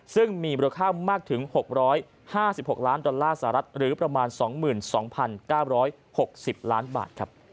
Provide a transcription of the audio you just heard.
ซึ่งมีมูลค่ามากถึง๖๕๖ล้านดอลลาร์สหรัฐหรือประมาณ๒๒๙๖๐ล้านบาท